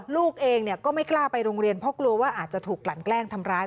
ลูกเองก็ไม่กล้าไปโรงเรียนเพราะกลัวว่าอาจจะถูกกลั่นแกล้งทำร้าย